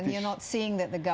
dan anda tidak melihat bahwa